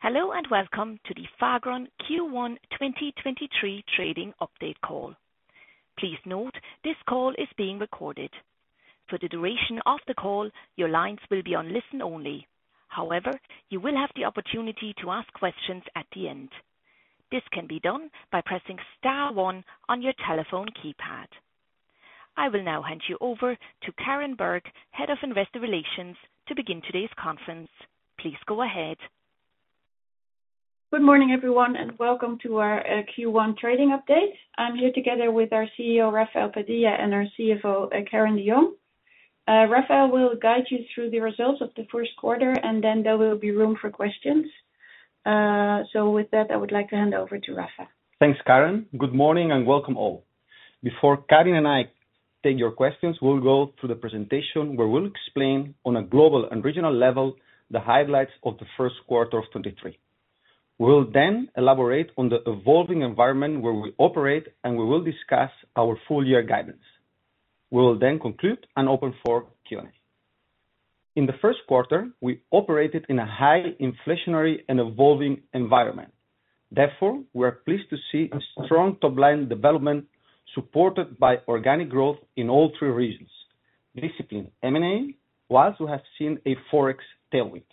Hello, welcome to the Fagron Q1 2023 trading update call. Please note this call is being recorded. For the duration of the call, your lines will be on listen only. However, you will have the opportunity to ask questions at the end. This can be done by pressing star one on your telephone keypad. I will now hand you over to Karen Berg, Head of Investor Relations, to begin today's conference. Please go ahead. Good morning, everyone, and welcome to our Q1 trading update. I'm here together with our CEO, Rafael Padilla, and our CFO, Karin de Jong. Rafael will guide you through the results of the Q1, and then there will be room for questions. With that, I would like to hand over to Rafael. Thanks, Karen. Good morning and welcome all. Before Karen and I take your questions, we'll go through the presentation where we'll explain on a global and regional level the highlights of the Q1 of 2023. We'll elaborate on the evolving environment where we operate, and we will discuss our full year guidance. We will conclude and open for Q&A. In the Q1, we operated in a high inflationary and evolving environment. Therefore, we are pleased to see a strong top-line development supported by organic growth in all three regions. Disciplined M&A, whilst we have seen a Forex tailwind.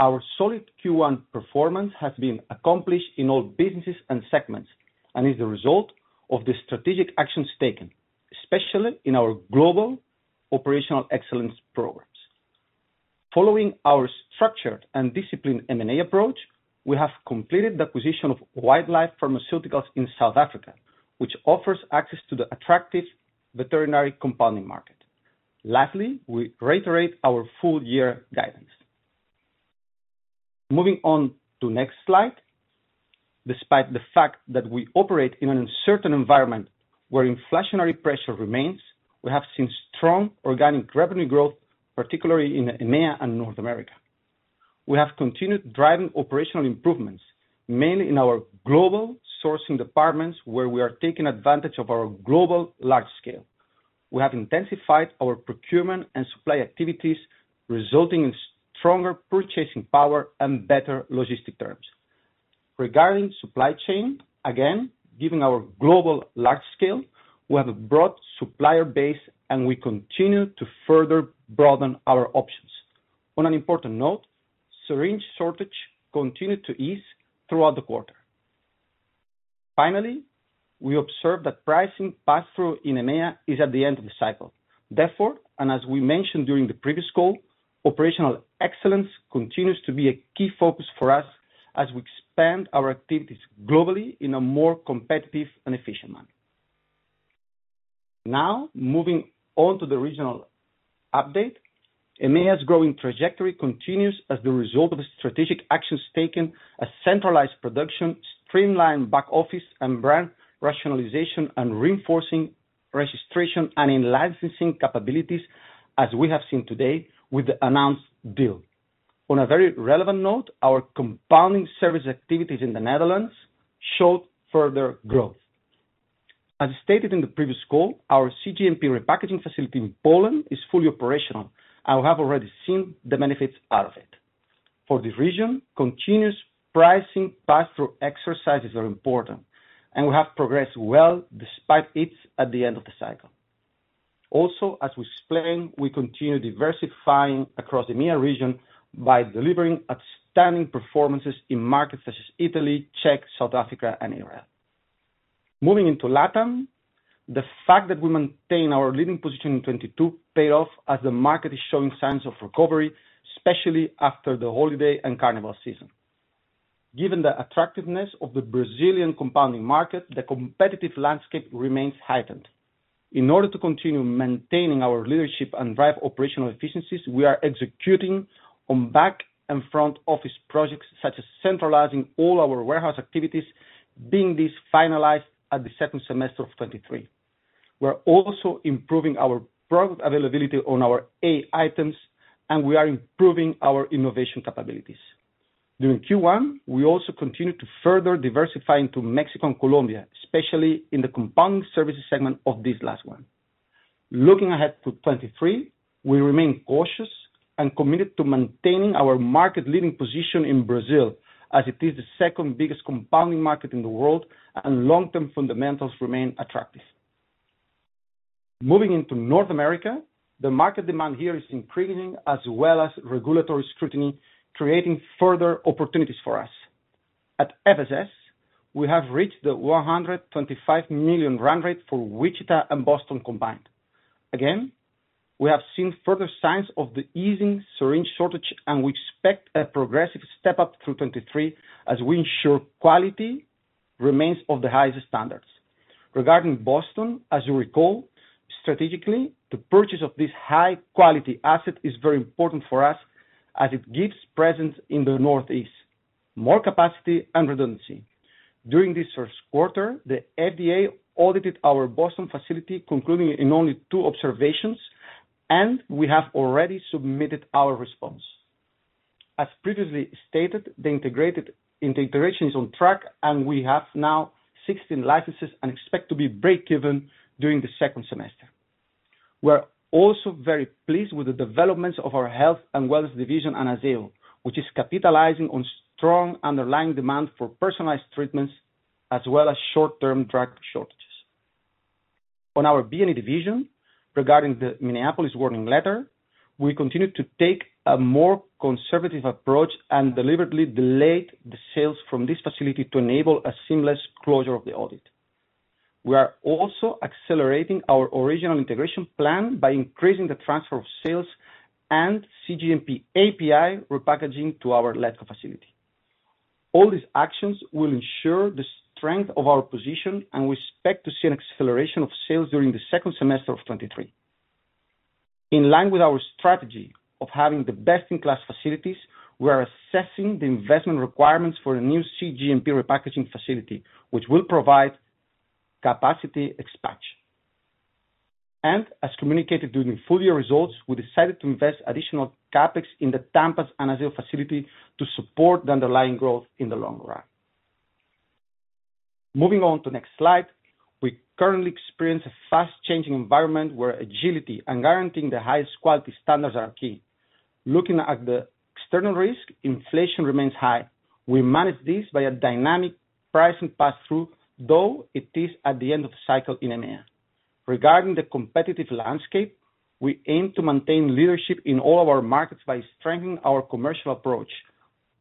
Our solid Q1 performance has been accomplished in all businesses and segments, and is the result of the strategic actions taken, especially in our global operational excellence programs. Following our structured and disciplined M&A approach, we have completed the acquisition of Wildlife Pharmaceuticals in South Africa, which offers access to the attractive veterinary compounding market. Lastly, we reiterate our full year guidance. Moving on to next slide. Despite the fact that we operate in an uncertain environment where inflationary pressure remains, we have seen strong organic revenue growth, particularly in EMEA and North America. We have continued driving operational improvements, mainly in our global sourcing departments, where we are taking advantage of our global large scale. We have intensified our procurement and supply activities, resulting in stronger purchasing power and better logistic terms. Regarding supply chain, again, given our global large scale, we have a broad supplier base, and we continue to further broaden our options. On an important note, syringe shortage continued to ease throughout the quarter. Finally, we observed that pricing pass-through in EMEA is at the end of the cycle. As we mentioned during the previous call, operational excellence continues to be a key focus for us as we expand our activities globally in a more competitive and efficient manner. Moving on to the regional update. EMEA's growing trajectory continues as the result of strategic actions taken as centralized production, streamlined back office and brand rationalization and reinforcing registration and in-licensing capabilities, as we have seen today with the announced deal. On a very relevant note, our compounding service activities in the Netherlands showed further growth. As stated in the previous call, our CGMP repackaging facility in Poland is fully operational, and we have already seen the benefits out of it. For the region, continuous pricing pass-through exercises are important, and we have progressed well despite it's at the end of the cycle. As we explained, we continue diversifying across the EMEA region by delivering outstanding performances in markets such as Italy, Czech, South Africa and Israel. Moving into LATAM, the fact that we maintain our leading position in 22 paid off as the market is showing signs of recovery, especially after the holiday and carnival season. Given the attractiveness of the Brazilian compounding market, the competitive landscape remains heightened. In order to continue maintaining our leadership and drive operational efficiencies, we are executing on back and front office projects such as centralizing all our warehouse activities, being this finalized at the second semester of 2023. We're also improving our product availability on our A items, and we are improving our innovation capabilities. During Q1, we also continued to further diversify into Mexico and Colombia, especially in the compounding services segment of this last one. Looking ahead to 2023, we remain cautious and committed to maintaining our market leading position in Brazil as it is the second biggest compounding market in the world and long-term fundamentals remain attractive. Moving into North America, the market demand here is increasing as well as regulatory scrutiny, creating further opportunities for us. At FSS, we have reached the $125 million run rate for Wichita and Boston combined. Again, we have seen further signs of the easing syringe shortage, and we expect a progressive step-up through 2023 as we ensure quality remains of the highest standards. Regarding Boston, as you recall, strategically, the purchase of this high quality asset is very important for us as it gives presence in the Northeast, more capacity and redundancy. During this Q1, the FDA audited our Boston facility, concluding in only two observations, and we have already submitted our response. As previously stated, integration is on track, and we have now 16 licenses and expect to be breakeven during the second semester. We're also very pleased with the developments of our health and wellness division, AnazaoHealth, which is capitalizing on strong underlying demand for personalized treatments as well as short-term drug shortages. On our B&E division, regarding the Minneapolis warning letter, we continue to take a more conservative approach and deliberately delayed the sales from this facility to enable a seamless closure of the audit. We are also accelerating our original integration plan by increasing the transfer of sales and CGMP API repackaging to our Ledco facility. All these actions will ensure the strength of our position, and we expect to see an acceleration of sales during the second semester of 2023. In line with our strategy of having the best in class facilities, we are assessing the investment requirements for a new CGMP repackaging facility, which will provide capacity expansion. As communicated during the full year results, we decided to invest additional CapEx in the Tampa's AnazaoHealth facility to support the underlying growth in the long run. Moving on to next slide. We currently experience a fast changing environment where agility and guaranteeing the highest quality standards are key. Looking at the external risk, inflation remains high. We manage this by a dynamic pricing pass through, though it is at the end of the cycle in EMEA. Regarding the competitive landscape, we aim to maintain leadership in all of our markets by strengthening our commercial approach,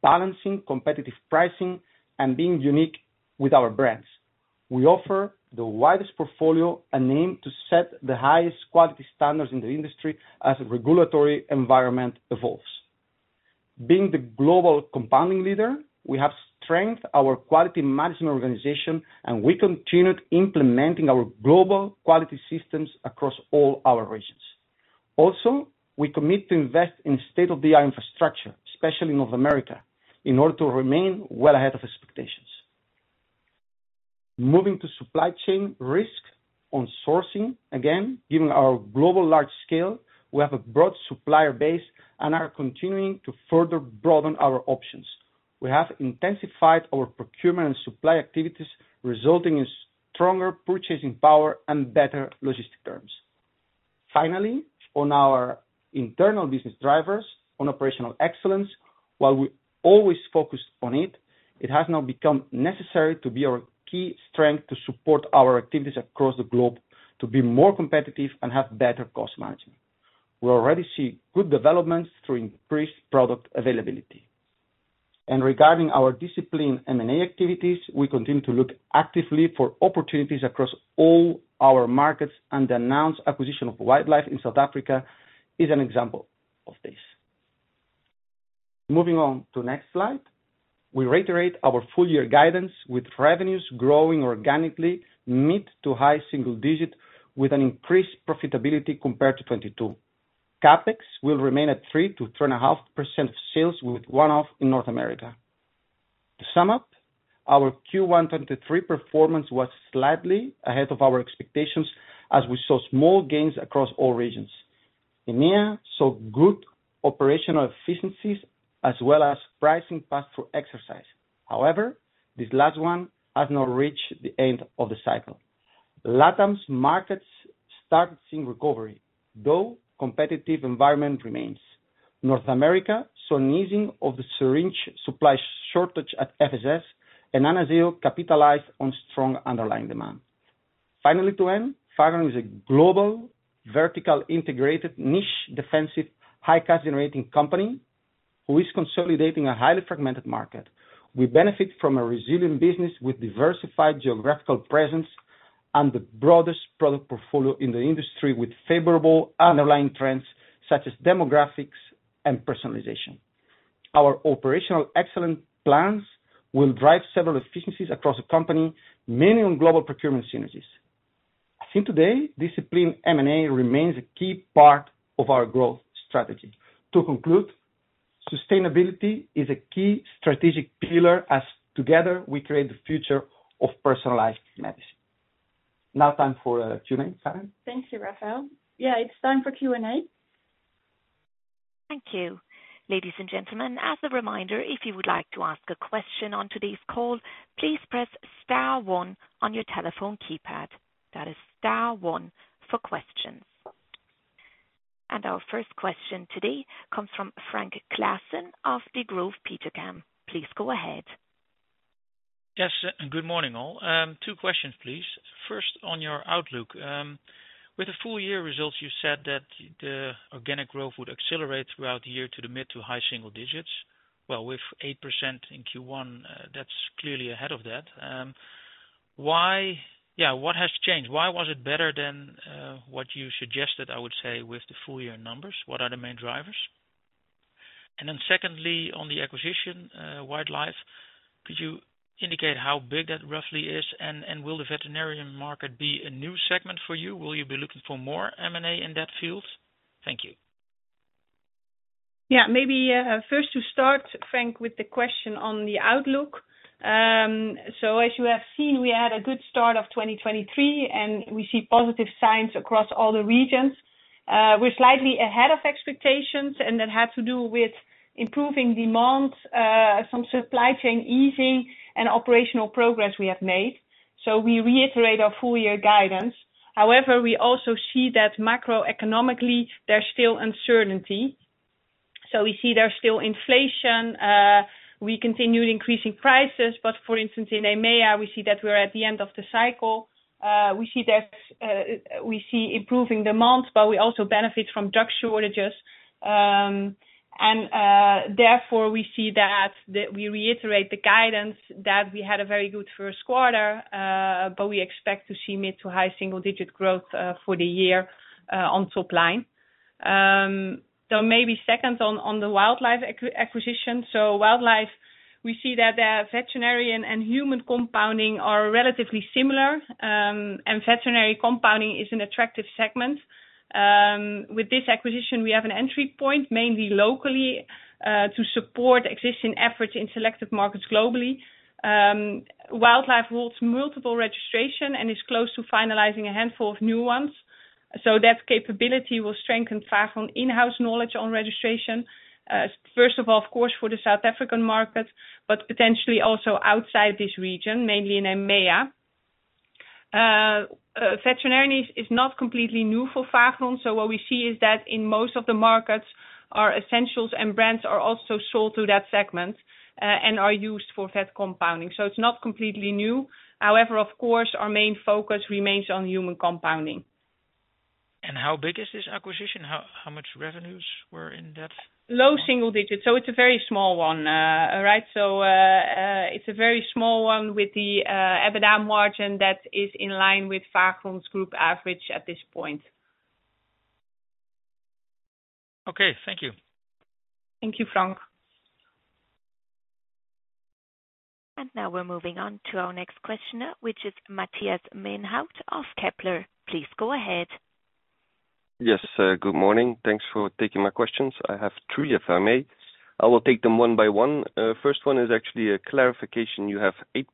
balancing competitive pricing and being unique with our brands. We offer the widest portfolio and aim to set the highest quality standards in the industry as the regulatory environment evolves. Being the global compounding leader, we have strengthened our quality management organization, and we continued implementing our global quality systems across all our regions. We commit to invest in state-of-the-art infrastructure, especially North America, in order to remain well ahead of expectations. Moving to supply chain risk on sourcing. Given our global large scale, we have a broad supplier base and are continuing to further broaden our options. We have intensified our procurement and supply activities, resulting in stronger purchasing power and better logistic terms. Finally, on our internal business drivers on operational excellence, while we always focus on it has now become necessary to be our key strength to support our activities across the globe, to be more competitive and have better cost management. We already see good developments through increased product availability. Regarding our discipline M&A activities, we continue to look actively for opportunities across all our markets, and the announced acquisition of Wildlife in South Africa is an example of this. Moving on to next slide. We reiterate our full year guidance with revenues growing organically mid to high single digit with an increased profitability compared to 2022. CapEx will remain at 3-3.5% of sales with one off in North America. To sum up, our Q1 2023 performance was slightly ahead of our expectations as we saw small gains across all regions. EMEA saw good operational efficiencies as well as pricing pass through exercise. However, this last one has not reached the end of the cycle. LATAM's markets started seeing recovery, though competitive environment remains. North America saw an easing of the syringe supply shortage at FSS, and AnazaoHealth capitalized on strong underlying demand. Finally, to end, Fagron is a global, vertical, integrated, niche, defensive, high cash generating company who is consolidating a highly fragmented market. We benefit from a resilient business with diversified geographical presence and the broadest product portfolio in the industry with favorable underlying trends such as demographics and personalization. Our operational excellent plans will drive several efficiencies across the company, mainly on global procurement synergies. As in today, discipline M&A remains a key part of our growth strategy. To conclude, sustainability is a key strategic pillar as together we create the future of personalized medicine. Now time for Q&A. Karen? Thank you, Rafael. Yeah, it's time for Q&A. Thank you. Ladies and gentlemen, as a reminder, if you would like to ask a question on today's call, please press star one on your telephone keypad. That is star 1 for questions. Our first question today comes from Frank Claes of Degroof Petercam. Please go ahead. Yes, good morning, all. two questions, please. First, on your outlook, with the full year results, you said that the organic growth would accelerate throughout the year to the mid to high single digits. With 8% in Q1, that's clearly ahead of that. What has changed? Why was it better than what you suggested, I would say, with the full year numbers? What are the main drivers? Secondly, on the acquisition, Wildlife, could you indicate how big that roughly is? Will the veterinarian market be a new segment for you? Will you be looking for more M&A in that field? Thank you. Yeah, maybe, first to start, Frank, with the question on the outlook. As you have seen, we had a good start of 2023, and we see positive signs across all the regions. We're slightly ahead of expectations, and that had to do with improving demand, some supply chain easing and operational progress we have made. We reiterate our full year guidance. However, we also see that macroeconomically there's still uncertainty. We see there's still inflation, we continue increasing prices, but for instance, in EMEA, we see that we're at the end of the cycle. We see improving demands, but we also benefit from drug shortages. Therefore, we see that, we reiterate the guidance that we had a very good Q1, but we expect to see mid to high single-digit growth for the year on top line. Maybe second on the Wildlife acquisition. Wildlife, we see that their veterinarian and human compounding are relatively similar, and veterinary compounding is an attractive segment. With this acquisition, we have an entry point, mainly locally, to support existing efforts in selected markets globally. Wildlife holds multiple registration and is close to finalizing a handful of new ones. That capability will strengthen Fagron in-house knowledge on registration, first of all, of course, for the South African market, but potentially also outside this region, mainly in EMEA. Veterinarian is not completely new for Fagron. What we see is that in most of the markets, our essentials and brands are also sold to that segment and are used for vet compounding. It's not completely new. However, of course, our main focus remains on human compounding. How big is this acquisition? How much revenues were in that? Low single digits. It's a very small one. All right, it's a very small one with the EBITDA margin that is in line with Fagron's group average at this point. Okay, thank you. Thank you, Frank. Now we're moving on to our next questioner, which is Matthias Maenhaut of Kepler. Please go ahead. Good morning. Thanks for taking my questions. I have two here for me. I will take them one by one. First one is actually a clarification. You have 8%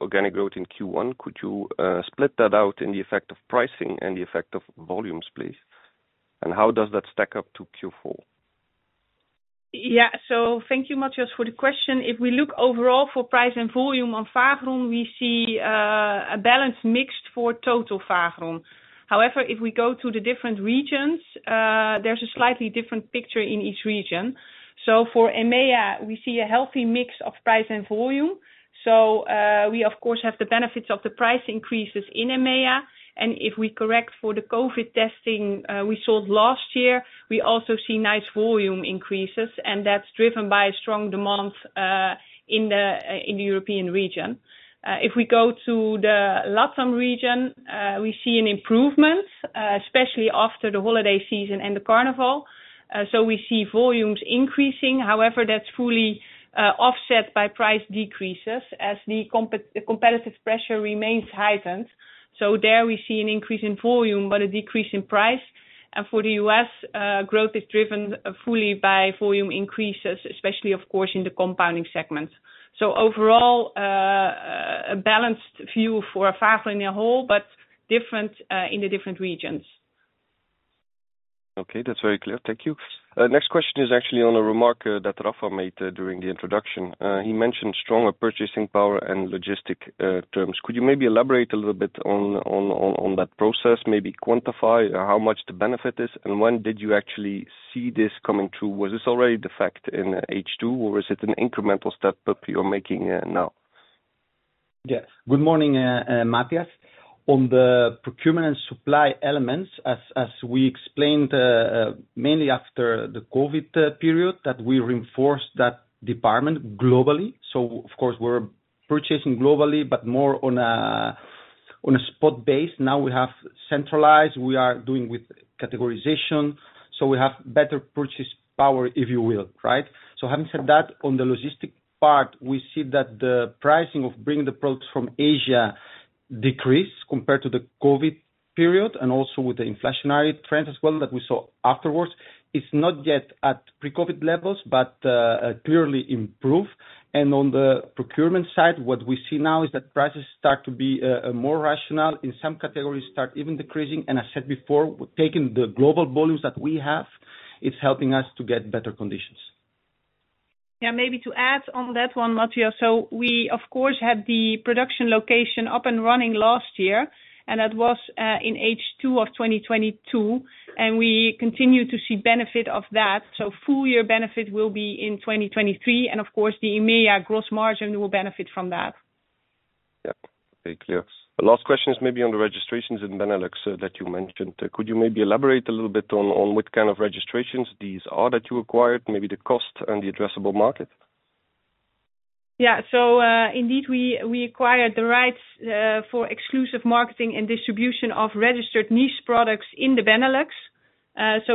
organic growth in Q1. Could you split that out in the effect of pricing and the effect of volumes, please? How does that stack up to Q4? Yeah. Thank you, Mathias, for the question. If we look overall for price and volume on Fagron, we see a balance mixed for total Fagron. However, if we go to the different regions, there's a slightly different picture in each region. For EMEA, we see a healthy mix of price and volume. We of course, have the benefits of the price increases in EMEA. And if we correct for the COVID testing, we sold last year, we also see nice volume increases, and that's driven by strong demand in the European region. If we go to the LATAM region, we see an improvement, especially after the holiday season and the carnival. We see volumes increasing. However, that's fully offset by price decreases as the competitive pressure remains heightened. There we see an increase in volume, but a decrease in price. For the US, growth is driven fully by volume increases, especially, of course, in the compounding segment. Overall, a balanced view for Fagron in a whole, but different, in the different regions. Okay, that's very clear. Thank you. Next question is actually on a remark that Rafa made during the introduction. He mentioned stronger purchasing power and logistic terms. Could you maybe elaborate a little bit on that process, maybe quantify how much the benefit is, and when did you actually see this coming through? Was this already the fact in H2 or is it an incremental step that you're making now? Yes. Good morning, Mathias. On the procurement and supply elements, as we explained, mainly after the COVID period, that we reinforced that department globally. Of course, we're purchasing globally, but more on a spot base. Now we have centralized, we are doing with categorization, so we have better purchase power, if you will, right? Having said that, on the logistic part, we see that the pricing of bringing the products from Asia decrease compared to the COVID period and also with the inflationary trends as well that we saw afterwards. It's not yet at pre-COVID levels, but clearly improve. On the procurement side, what we see now is that prices start to be more rational, in some categories start even decreasing. I said before, taking the global volumes that we have, it's helping us to get better conditions. Yeah, maybe to add on that one, Mathias. We, of course, had the production location up and running last year, and that was in H2 of 2022, and we continue to see benefit of that. Full year benefit will be in 2023, and of course, the EMEA gross margin will benefit from that. Yeah. Very clear. The last question is maybe on the registrations in Benelux that you mentioned. Could you maybe elaborate a little bit on what kind of registrations these are that you acquired, maybe the cost and the addressable market? Indeed, we acquired the rights for exclusive marketing and distribution of registered niche products in the Benelux.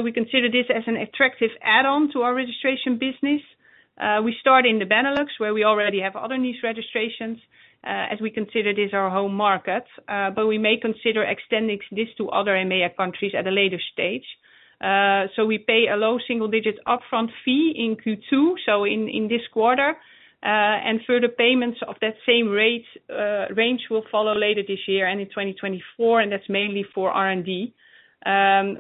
We consider this as an attractive add-on to our registration business. We start in the Benelux, where we already have other niche registrations, as we consider this our home market, but we may consider extending this to other EMEA countries at a later stage. We pay a low single digit upfront fee in Q2, in this quarter. Further payments of that same rate range will follow later this year and in 2024, and that's mainly for R&D.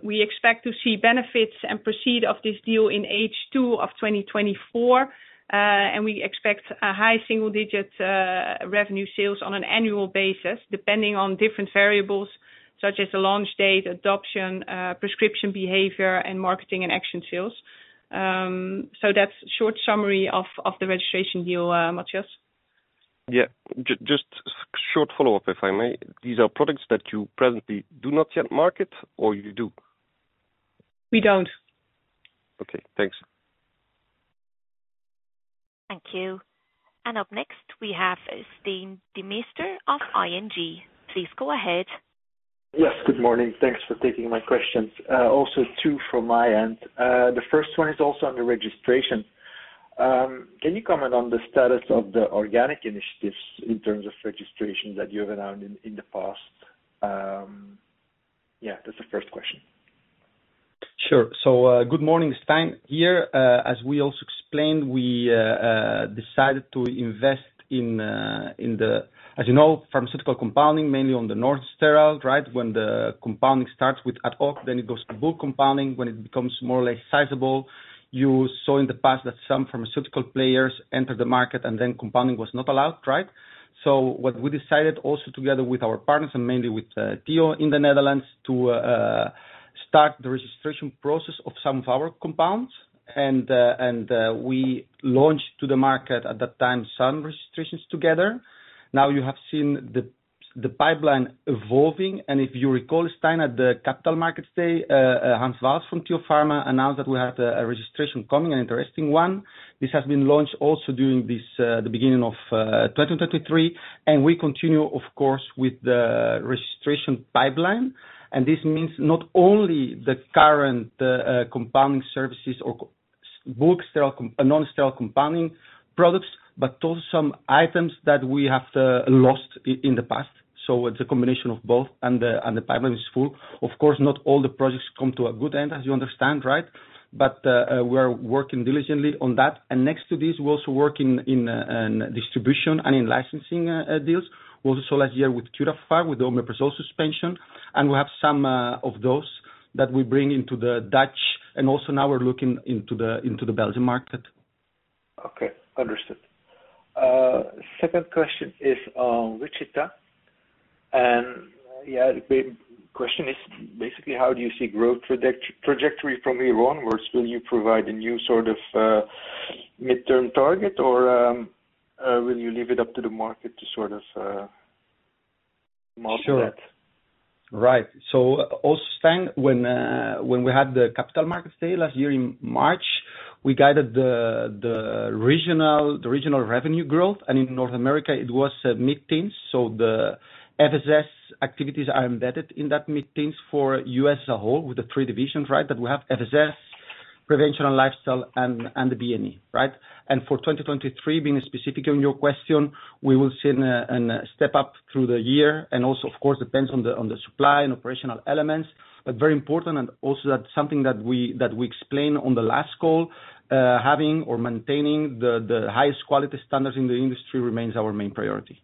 We expect to see benefits and proceed of this deal in H2 of 2024, and we expect a high single-digit revenue sales on an annual basis, depending on different variables such as the launch date, adoption, prescription behavior, and marketing and action sales. That's short summary of the registration deal, Matthias. Yeah. Just short follow-up, if I may. These are products that you presently do not yet market or you do? We don't. Okay, thanks. Thank you. Up next, we have Stijn Demeester of ING. Please go ahead. Yes, good morning. Thanks for taking my questions. Also two from my end. The first one is also under registration. Can you comment on the status of the organic initiatives in terms of registrations that you have announced in the past? Yeah, that's the first question. Sure. Good morning, Stijn. Here, as we also explained, we decided to invest in. As you know, pharmaceutical compounding, mainly on the non-sterile, right? When the compounding starts with ad hoc, then it goes to book compounding when it becomes more or less sizable. You saw in the past that some pharmaceutical players entered the market and then compounding was not allowed, right? What we decided also together with our partners, and mainly with TIO in the Netherlands to start the registration process of some of our compounds. We launched to the market at that time some registrations together. Now you have seen the pipeline evolving, and if you recall, Stijn, at the Capital Markets Day, Hans Waals from TIO Pharma announced that we have a registration coming, an interesting one. This has been launched also during this, the beginning of 2023, we continue, of course, with the registration pipeline. This means not only the current compounding services or non-sterile compounding products, but also some items that we have to lost in the past. It's a combination of both. The pipeline is full. Of course, not all the projects come to a good end, as you understand, right? We are working diligently on that. Next to this, we're also working in distribution and in licensing deals. We also last year with Curaphar, with omeprazole suspension. We have some of those that we bring into the Dutch, also now we're looking into the Belgian market. Okay. Understood. Second question is on Wichita. Yeah, the question is basically how do you see growth trajectory from here onwards? Will you provide a new sort of, midterm target or, will you leave it up to the market to sort of, model that? Sure. Right. Also, Stijn, when we had the Capital Markets Day last year in March, we guided the regional revenue growth, and in North America it was mid-teens. The FSS activities are embedded in that mid-teens for US as a whole, with the three divisions, right, that we have FSS, Prevention and Lifestyle, and the BNE, right? For 2023, being specific on your question, we will see a step up through the year and also, of course, depends on the supply and operational elements, but very important and also that's something that we explained on the last call, having or maintaining the highest quality standards in the industry remains our main priority.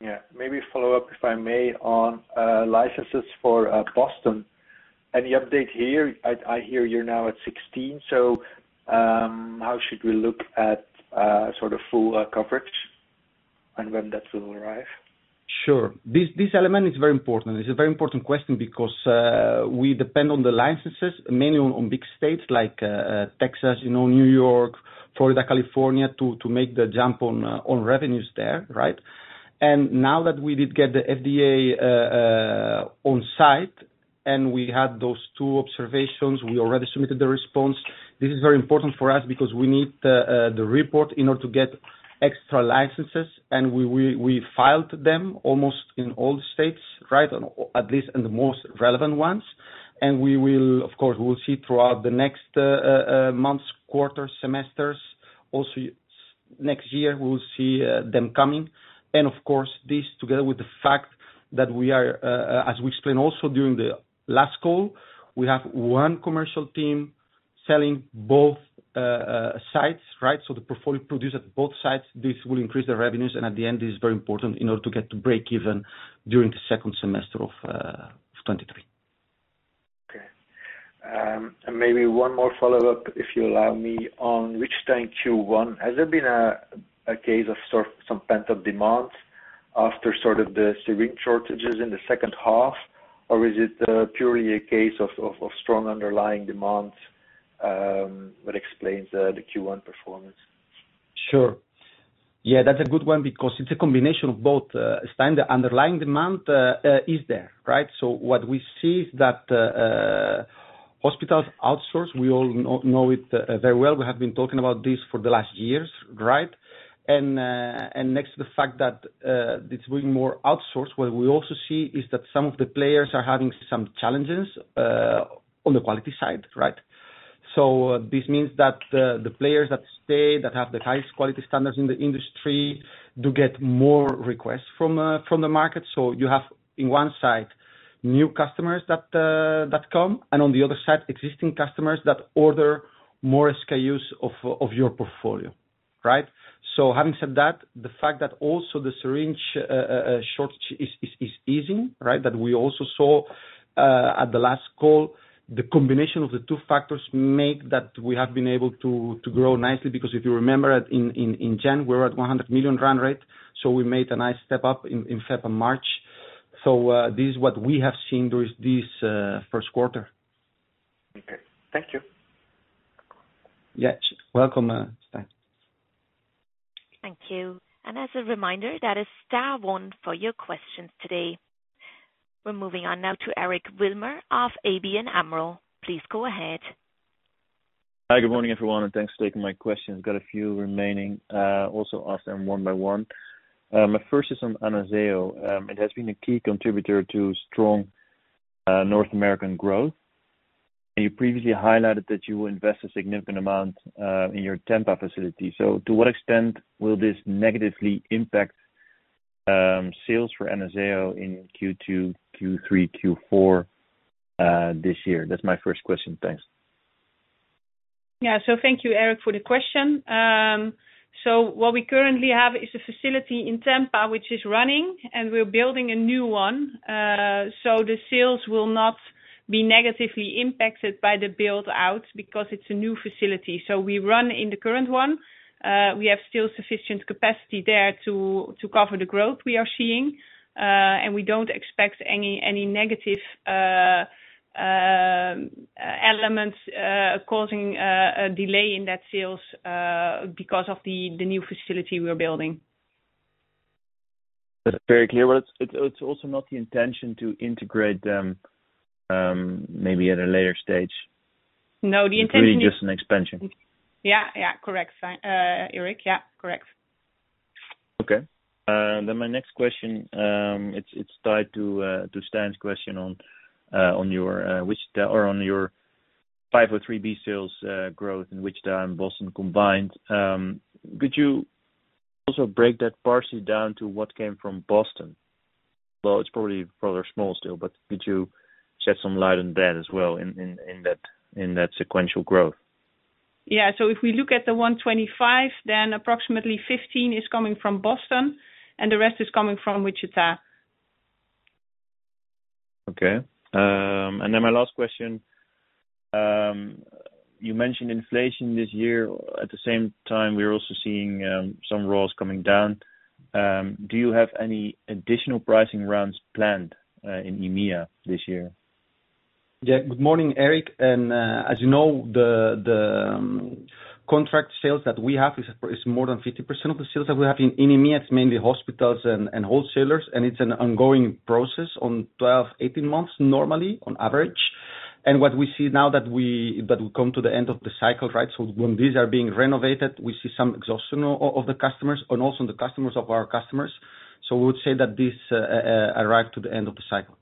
Yeah. Maybe follow up, if I may, on licenses for Boston. Any update here? I hear you're now at 16, so, how should we look at sort of full coverage and when that will arrive? Sure. This element is very important. This is a very important question because we depend on the licenses, mainly on big states like Texas, you know, New York, Florida, California, to make the jump on revenues there, right? Now that we did get the FDA on site and we had those two observations, we already submitted the response. This is very important for us because we need the report in order to get extra licenses. We filed them almost in all states, right? At least in the most relevant ones. We will, of course, we'll see throughout the next months, quarters, semesters, also next year, we'll see them coming. Of course, this together with the fact that we are, as we explained also during the last call, we have one commercial team selling both sites, right? The portfolio produced at both sites, this will increase the revenues. At the end, this is very important in order to get to breakeven during the second semester of 23. Okay. Maybe one more follow-up, if you allow me, on Wichita in Q1. Has there been a case of some pent-up demand after sort of the syringe shortages in the H2, or is it purely a case of strong underlying demand that explains the Q1 performance? Sure. Yeah, that's a good one because it's a combination of both. Stijn, the underlying demand is there, right? What we see is that hospitals outsource, we all know it very well. We have been talking about this for the last years, right? Next to the fact that it's being more outsourced, what we also see is that some of the players are having some challenges on the quality side, right? This means that the players that stay, that have the highest quality standards in the industry do get more requests from the market. You have in one side, new customers that come, and on the other side, existing customers that order more SKUs of your portfolio. Right. Having said that, the fact that also the syringe shortage is easing, right, that we also saw at the last call, the combination of the two factors make that we have been able to grow nicely because if you remember it in January, we were at $100 million run rate. We made a nice step up in February and March. This is what we have seen during this Q1. Okay. Thank you. Yeah. Welcome, Stijn. Thank you. As a reminder, that is star one for your questions today. We're moving on now to Eric Wilmer of ABN AMRO. Please go ahead. Hi, good morning, everyone, and thanks for taking my questions. Got a few remaining, also ask them one by one. My first is on AnazaoHealth. It has been a key contributor to strong North American growth. You previously highlighted that you will invest a significant amount in your Tampa facility. To what extent will this negatively impact sales for AnazaoHealth in Q2, Q3, Q4 this year? That's my first question. Thanks. Yeah. Thank you, Eric, for the question. What we currently have is a facility in Tampa, which is running, and we're building a new one. The sales will not be negatively impacted by the build-out because it's a new facility. We run in the current one. We have still sufficient capacity there to cover the growth we are seeing. We don't expect any negative elements causing a delay in that sales because of the new facility we are building. That's very clear. It's also not the intention to integrate them, maybe at a later stage. No, the intention- It's really just an expansion. Yeah, yeah, correct. Eric, yeah, correct. Okay. My next question, it's tied to Stijn's question on your 503B sales growth in Wichita and Boston combined. Could you also break that partially down to what came from Boston? It's probably rather small still, but could you shed some light on that as well in that sequential growth? If we look at the $125 million, approximately $15 million is coming from Boston and the rest is coming from Wichita. Okay. My last question, you mentioned inflation this year. At the same time, we are also seeing some rolls coming down. Do you have any additional pricing rounds planned in EMEA this year? Good morning, Eric. As you know, the contract sales that we have is more than 50% of the sales that we have in EMEA. It's mainly hospitals and wholesalers, and it's an ongoing process on 12-18 months normally, on average. What we see now that we come to the end of the cycle, right, so when these are being renovated, we see some exhaustion of the customers and also the customers of our customers. We would say that this arrive to the end of the cycle.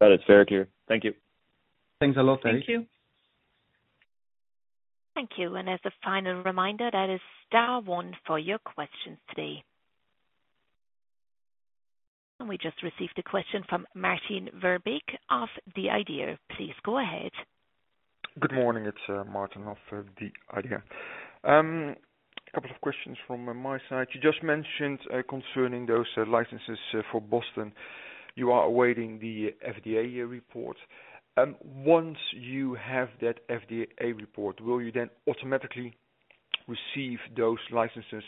That is very clear. Thank you. Thanks a lot, Eric. Thank you. Thank you. As a final reminder, that is star one for your questions today. We just received a question from Martin Verbeek of the IDEA!. Please go ahead. Good morning. It's Martin of the IDEA!. A couple of questions from my side. You just mentioned concerning those licenses for Boston. You are awaiting the FDA report. Once you have that FDA report, will you then automatically receive those licenses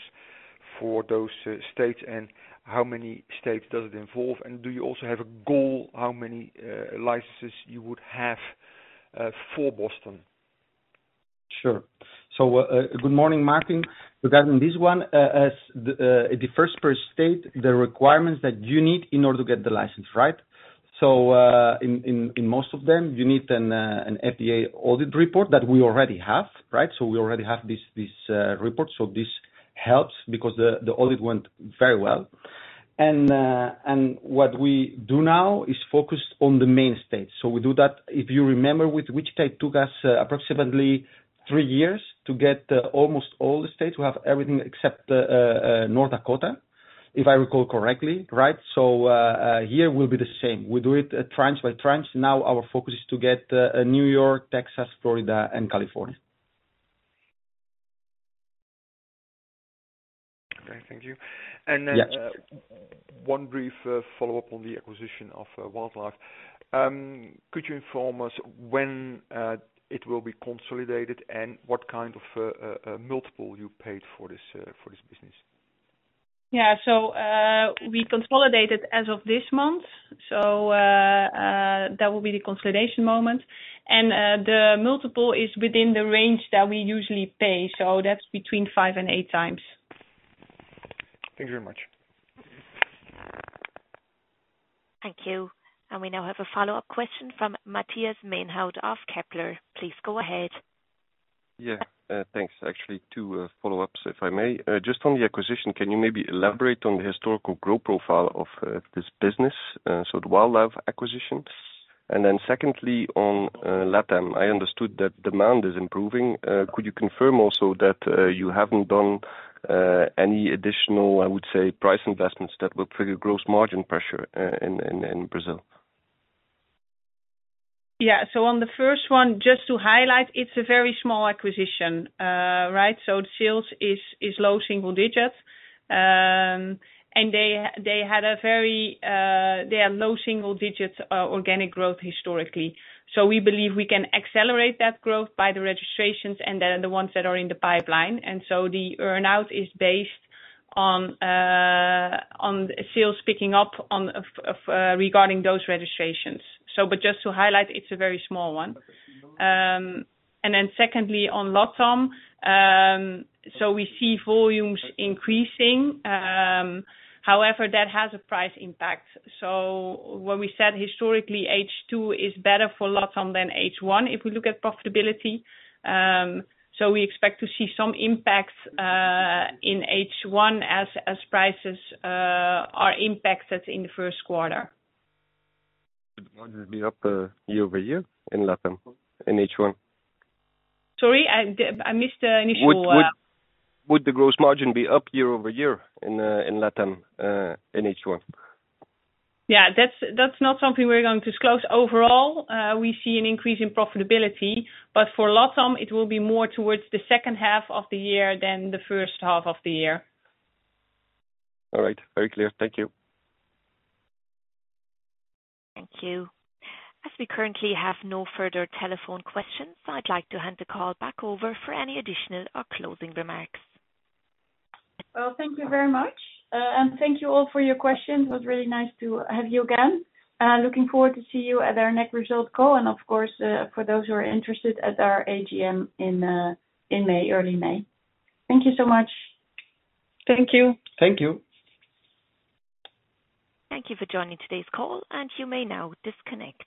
for those states? How many states does it involve? Do you also have a goal, how many licenses you would have for Boston? Sure. Good morning, Martin. Regarding this one, as the first per state, the requirements that you need in order to get the license, right? In most of them, you need an FDA audit report that we already have, right? We already have this report. This helps because the audit went very well. What we do now is focus on the main state. We do that, if you remember, with Wichita, it took us approximately three years to get almost all the states. We have everything except North Dakota, if I recall correctly, right? Here will be the same. We do it tranche by tranche. Now our focus is to get New York, Texas, Florida and California. Okay. Thank you. Yeah. One brief follow-up on the acquisition of Wildlife. Could you inform us when it will be consolidated and what kind of multiple you paid for this business? Yeah. we consolidated as of this month. that will be the consolidation moment. the multiple is within the range that we usually pay. that's between five and eight times. Thank you very much. Thank you. We now have a follow-up question from Matthias Maenhaut of Kepler. Please go ahead. Yeah. Thanks. Actually two follow-ups, if I may. Just on the acquisition, can you maybe elaborate on the historical growth profile of this business, so the Wildlife acquisition? Secondly, on Latam, I understood that demand is improving. Could you confirm also that you haven't done any additional, I would say, price investments that would trigger gross margin pressure in Brazil? Yeah. On the first one, just to highlight, it's a very small acquisition, right? The sales is low single digits. They had low single digits organic growth historically. We believe we can accelerate that growth by the registrations and then the ones that are in the pipeline. The earn-out is based on sales picking up on of regarding those registrations. Just to highlight, it's a very small one. Secondly, on LatAm, so we see volumes increasing. However, that has a price impact. When we said historically H2 is better for LatAm than H1 if we look at profitability, so we expect to see some impacts in H1 as prices are impacted in the Q1. Would margins be up, quarter-over-quarter in LatAm, in H1? Sorry, I missed the initial. Would the gross margin be up year over year in LatAm in H1? Yeah, that's not something we're going to disclose. Overall, we see an increase in profitability, but for LatAm it will be more towards the H2 of the year than the H1 of the year. All right. Very clear. Thank you. Thank you. As we currently have no further telephone questions, I'd like to hand the call back over for any additional or closing remarks. Well, thank you very much, and thank you all for your questions. It was really nice to have you again. Looking forward to see you at our next result call and of course, for those who are interested, at our AGM in May, early May. Thank you so much. Thank you. Thank you. Thank you for joining today's call, and you may now disconnect.